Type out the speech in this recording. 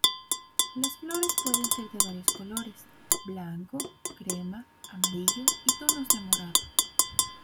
Las flores pueden ser de varios colores, blanco, crema, amarillo y tonos de morado.